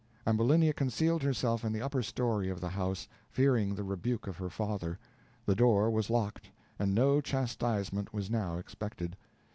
Ambulinia concealed herself in the upper story of the house, fearing the rebuke of her father; the door was locked, and no chastisement was now expected.